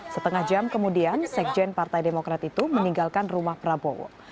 setengah jam kemudian sekjen partai demokrat itu meninggalkan rumah prabowo